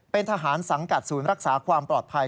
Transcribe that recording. เป็นทหารสังกัดศูนย์รักษาความปลอดภัย